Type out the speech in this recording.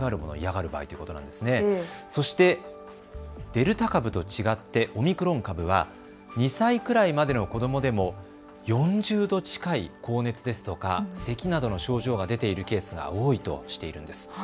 そして、デルタ株と違ってオミクロン株は２歳くらいまでの子どもでも４０度近い高熱ですとかせきなどの症状が出ているケースが多いとしているんです。